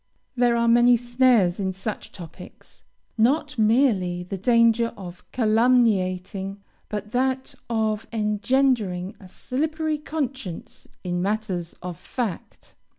There are many snares in such topics; not merely the danger of calumniating, but that of engendering a slippery conscience in matters of fact.